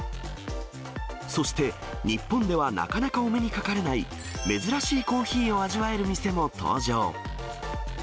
そして、日本ではなかなかお目にかかれない珍しいコーヒーを味わえる店も登場。